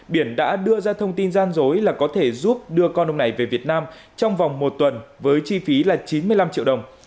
biển đã đưa ra thông tin gian dối là có thể giúp đưa con ông này về việt nam trong vòng một tuần với chi phí là chín mươi năm triệu đồng